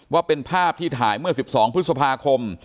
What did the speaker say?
ว่าเป็นภาพที่ถ่ายเมื่อ๑๒พฤษภาคม